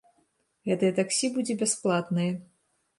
Гэтае таксі будзе бясплатнае.